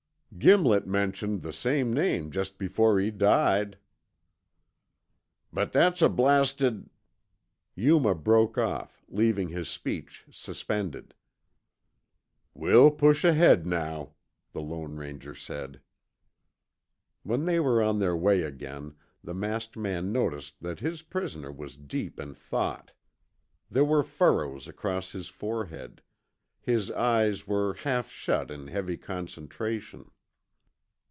"Gimlet mentioned the same name just before he died." "But that's a blasted " Yuma broke off, leaving his speech suspended. "We'll push ahead now," the Lone Ranger said. When they were on their way again, the masked man noticed that his prisoner was deep in thought. There were furrows across his forehead; his eyes were half shut in heavy concentration.